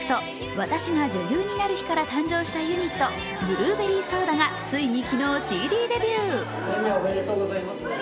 「『私が女優になる日＿』」から誕生したユニット、ブルーベリーソーダがついに昨日、ＣＤデビュー。